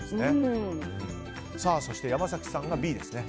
そして、山崎さんがＢですね。